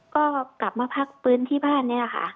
ก็กลับมาพักฟื้นที่บ้านนี่แหละค่ะ